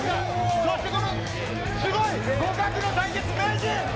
そしてこの、すごい、互角の対決。